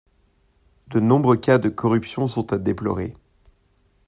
De nombreux cas de corruptions sont a déplorer.